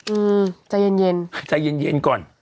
อือใจเย็นใจเย็นก่อน